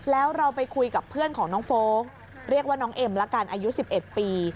แล้วเราไปคุยกับเพื่อนของน้องโฟลกเรียกว่าน้องเอ็มละกันอายุ๑๑ปี